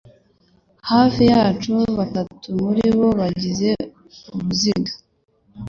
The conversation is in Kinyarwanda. hafi yacu batatu muri bo bagize uruziga